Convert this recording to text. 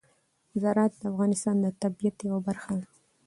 زراعت د افغانستان د طبیعت یوه برخه ده.